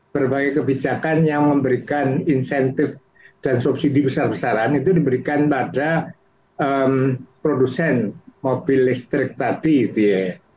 berbagai kebijakan yang memberikan insentif dan subsidi besar besaran itu diberikan pada produsen mobil listrik tadi gitu ya